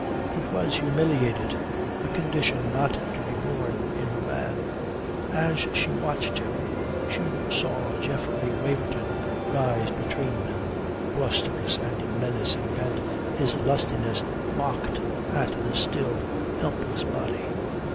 He was humiliated, a condition not to be borne in her man. As she watched him, she saw Geoffrey Waverton rise between them, blusterous and menacing, and his lustiness mocked at the still, helpless body.